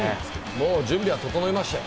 もう準備は整いましたよ。